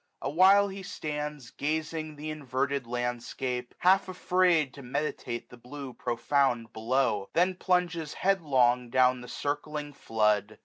A while he stands 1 245 Gazing th' inverted landskip, half afraid To meditate the blue profound below ; Then plunges headlong down the circling flood.